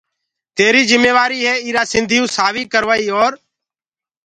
تيريٚ جميوآريٚ هي ايرآ سنڌيئو سآويٚ ڪروآئيٚ اور